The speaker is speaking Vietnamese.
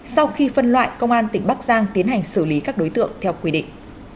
sau khi phân loại công an tỉnh bắc giang tiến hành xử lý các đối tượng theo quy định